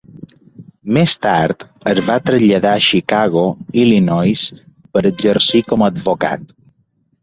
Més tard, es va traslladar a Chicago, Illinois per exercir com a advocat.